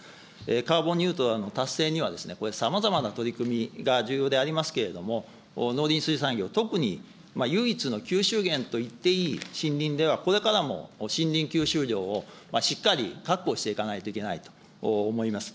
カーボンニュートラルの達成には、これ、さまざまな取り組みが重要でありますけれども、農林水産業、特に唯一の吸収源と言っていい森林では、これからも森林吸収量をしっかり確保していかないといけないと思います。